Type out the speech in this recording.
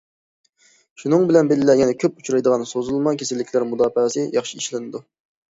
شۇنىڭ بىلەن بىللە، يەنە كۆپ ئۇچرايدىغان سوزۇلما كېسەللىكلەر مۇداپىئەسى ياخشى ئىشلىنىدۇ.